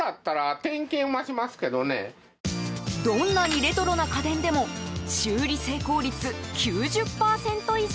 どんなにレトロな家電でも修理成功率９０％以上！